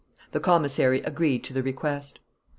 The commissary agreed to the request.